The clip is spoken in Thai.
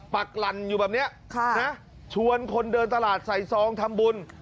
ปากหลันอยู่แบบนี้นะครับไหมครับชวนคนเดินตลาดใส่ซองทำบุญ